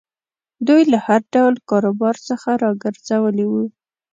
دوی له هر ډول کاروبار څخه را ګرځولي وو.